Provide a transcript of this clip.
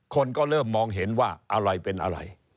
คนก็เริ่มมองเห็นว่าอะไรเป็นอะไร